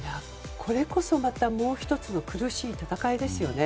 これこそ、またもう１つの苦しい戦いですよね。